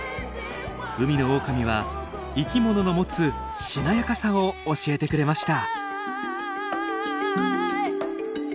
海のオオカミは生きものの持つしなやかさを教えてくれました。